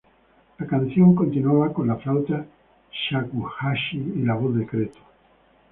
La canción continuaba con la flauta shakuhachi y la voz de Cretu.